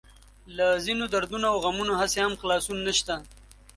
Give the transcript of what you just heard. له ځينو دردونو او غمونو هسې هم خلاصون نشته.